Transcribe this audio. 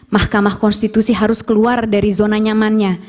mahkamah konstitusi harus keluar dari zona nyamannya